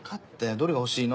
どれが欲しいの？